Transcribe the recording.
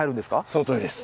そのとおりです。